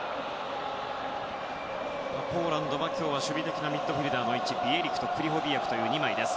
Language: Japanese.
ポーランドは今日は守備的なミッドフィールダーな位置にビエリクとクリホビアクという２枚です。